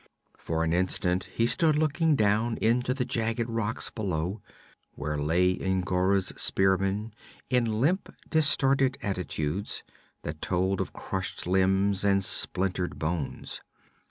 For an instant he stood looking down into the jagged rocks below, where lay N'Gora's spearmen, in limp, distorted attitudes that told of crushed limbs and splintered bones.